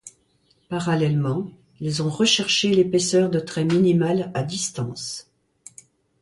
Parallèlement ils ont recherché l’épaisseur de trait minimal à distance.